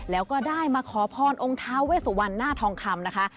แล้วก็ได้มาขอพรองค์ท้าเวสุวรรณหน้าทองคำนะคะ